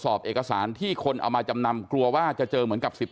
เอกสารที่คนเอามาจำนำกลัวว่าจะเจอเหมือนกับ๑๕